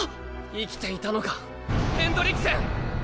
生きていたのかヘンドリクセン！